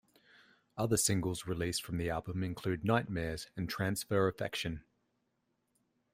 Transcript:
Other singles released from the album include "Nightmares" and "Transfer Affection".